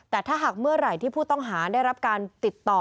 แต่ถ้าหากเมื่อไหร่ที่ผู้ต้องหาได้รับการติดต่อ